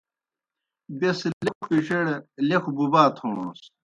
بیْس لیکھوْ پِڇِیڑ لیکھوْ بُبَا تھوݨَس۔